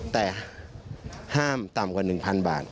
แต่ห้ามต่ำกว่า๑๐๐๐บาท